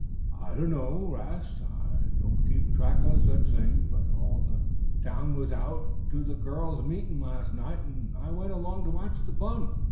"I dunno, 'Rast. I don't keep track o' such things. But all the town was out to the girls' meetin' last night, an' I went along to watch the fun."